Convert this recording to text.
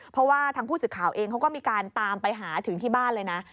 เพราะว่าทางผู้สื่อข่าวเองเขาก็มีการตามไปหาถึงที่บ้านเลยนะ